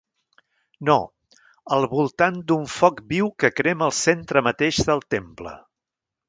No, al voltant d'un foc viu que crema al centre mateix del temple.